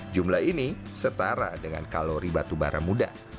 jumlah ini setara dengan kalori batu bara muda